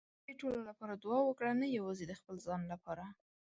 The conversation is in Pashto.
د ټولو لپاره دعا وکړه، نه یوازې د خپل ځان لپاره.